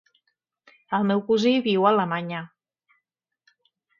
El meu cosí viu a Alemanya.